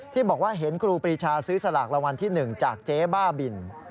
ที่บอกว่าเห็นครูปรีชาซื้อสลากรางวัลที่๑จากเจ๊บ้าบิน